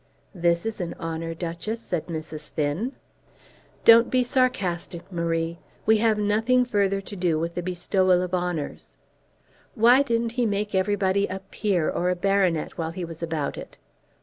"This is an honour, Duchess," said Mrs. Finn. "Don't be sarcastic, Marie. We have nothing further to do with the bestowal of honours. Why didn't he make everybody a peer or a baronet while he was about it?